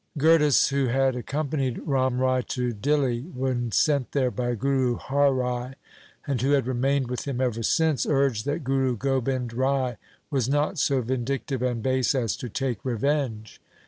Gurdas, who had accom panied Ram Rai to Dihli when sent there by Guru Har Rai, and who had remained with him ever since, urged that Guru Gobind Rai was not so vindictive and base as to take revenge.